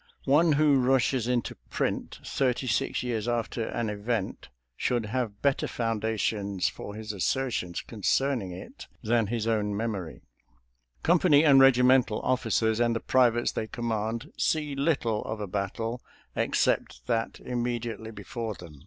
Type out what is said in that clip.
One who rushes into print, thirty six years after an event, should have better founda FOURTH TEXAS AT GAINES' MILLS 307 tions for his assertions concerning it than his own memory. Company and regimental officers and the privates they command see little of a battle except that immediately before them.